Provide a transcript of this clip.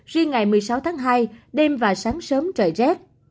riêng ngày một mươi sáu tháng hai đêm và sáng sớm trời rét